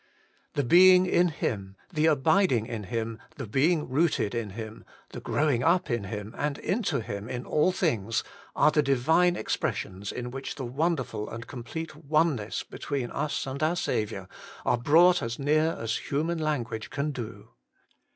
The being in Him, the abiding in Him, the being rooted in Him, the growing up in Him and into Him in all things, are the Divine expressions in which the wonderful and complete oneness between us and our Saviour GOD'S PROVISION FOB HOLINESS. 23 are brought as near us as human language can do.